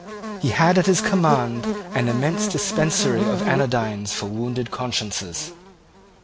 He had at his command an immense dispensary of anodynes for wounded consciences.